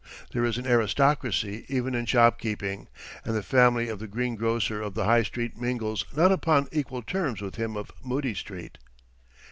There is an aristocracy even in shopkeeping, and the family of the green grocer of the High Street mingles not upon equal terms with him of Moodie Street.